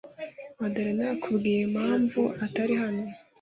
Madalena yakubwiye impamvu atari hano?